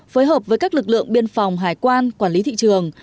phối hợp với các lực lượng biên phòng hải quan quản lý thị trường